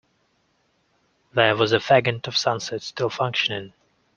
There was a fag-end of sunset still functioning.